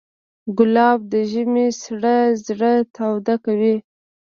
ګلاب د ژمي سړه زړه تاوده کوي.